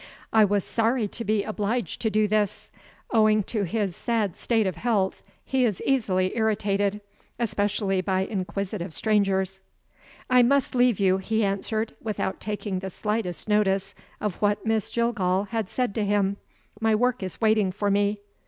I was sorry to be obliged to do this. Owing to his sad state of health, he is easily irritated especially by inquisitive strangers. "I must leave you," he answered, without taking the slightest notice of what Miss Jillgall had said to him. "My work is waiting for me."